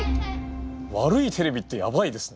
悪いテレビってやばいですね